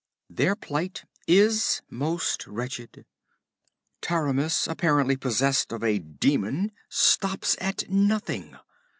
'Their plight is most wretched. Taramis, apparently possessed of a demon, stops at nothing.